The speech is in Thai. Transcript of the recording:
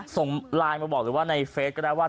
ส่งไลน์มาบอกหรือว่าในเฟสก็ได้ว่า